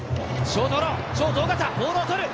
ショート緒方、ボールを捕る。